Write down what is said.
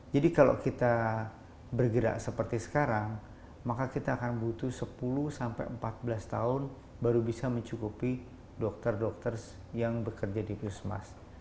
jadi kalau kita bergerak seperti sekarang maka kita akan butuh sepuluh sampai empat belas tahun baru bisa mencukupi dokter dokter yang bekerja di pusmas